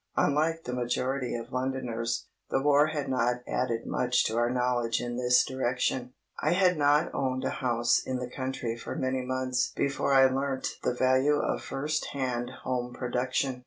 Unlike the majority of Londoners, the War had not added much to our knowledge in this direction. I had not owned a house in the country many months before I learnt the value of first hand home production.